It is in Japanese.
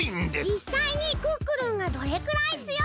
じっさいにクックルンがどれくらいつよいのか